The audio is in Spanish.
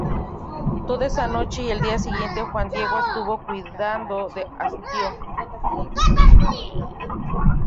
Toda esa noche y el día siguiente Juan Diego estuvo cuidando a su tío.